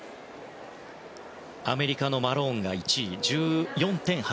アメリカのマローンが１位。１４．８００。